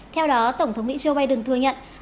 theo đó tổng thống mỹ joe biden thừa nhận